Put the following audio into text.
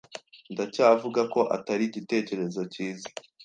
Ndacyavuga ko atari igitekerezo cyiza.